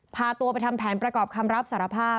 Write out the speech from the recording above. พาตัวไปทำแผนประกอบคำรับสารภาพ